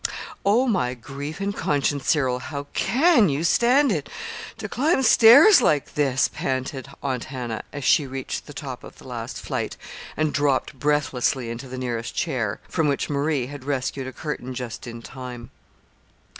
"Oh, my grief and conscience, Cyril, how can you stand it? to climb stairs like this," panted Aunt Hannah, as she reached the top of the last flight and dropped breathlessly into the nearest chair from which Marie had rescued a curtain just in time.